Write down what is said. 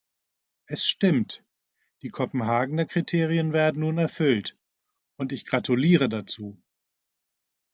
Es stimmt, die Kopenhagener Kriterien werden nun erfüllt, und ich gratuliere dazu!